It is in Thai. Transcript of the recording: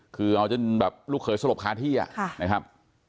คือเอาจนแบบลูกเขยสลบคาที่นะครับ